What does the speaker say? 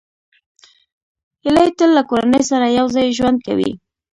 هیلۍ تل له کورنۍ سره یوځای ژوند کوي